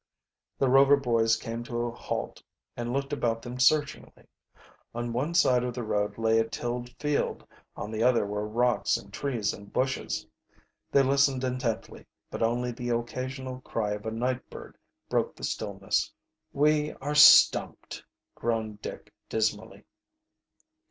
The Rover boys came to a halt and looked about them searchingly. On one side of the road lay a tilled field, on the other were rocks and trees and bushes. They listened intently, but only the occasional cry of a night bird broke the stillness. "We are stumped!" groaned Dick dismally.